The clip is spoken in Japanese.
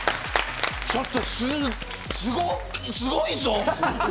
ちょっと、すごいぞ。